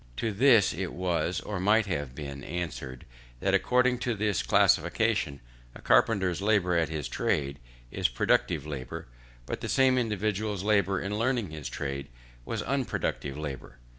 To this it was, or might have been, answered, that according to this classification, a carpenter's labour at his trade is productive labour, but the same individual's labour in learning his trade was unproductive labour.